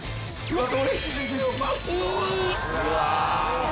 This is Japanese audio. うわ！